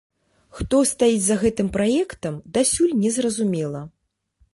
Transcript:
Хто стаіць за гэтым праектам, дасюль не зразумела.